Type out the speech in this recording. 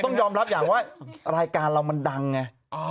ต้องยอมรับอย่างว่ารายการเรามันดังไง